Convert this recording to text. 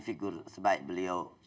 figur sebaik beliau